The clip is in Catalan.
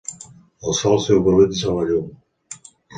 El Sol simbolitza la llum.